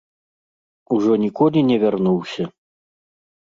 Ужо ніколі не вярнуўся.